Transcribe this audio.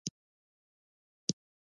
بریښنا د انرژۍ یوه بڼه ده